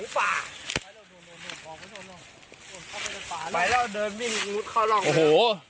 ไปแล้วเดินวิ่งเข้าร่องโอ้โห